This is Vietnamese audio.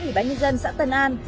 ủy bác nhân dân xã tân an